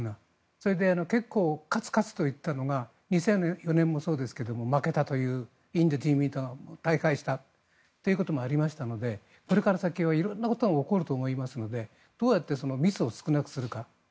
それで結構、勝つ勝つと言っていたのが２００４年もそうですが負けたというインド人民党が大敗したということもありましたのでこれから先は色んなことが起こると思いますのでどうやってミスを少なくするか。